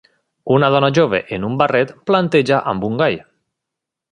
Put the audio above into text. Una dona jove en un barret planteja amb un gall.